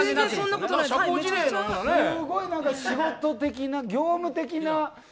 すごい仕事的な業務的な。